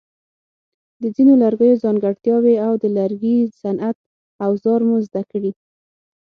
د ځینو لرګیو ځانګړتیاوې او د لرګي صنعت اوزار مو زده کړي.